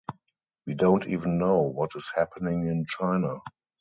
We don't even know what is happening in China.